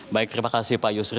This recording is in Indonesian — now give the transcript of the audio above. baik terima kasih pak yusri